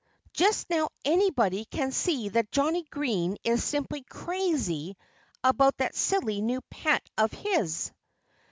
Just now anybody can see that Johnnie Green is simply crazy about that silly new pet of his."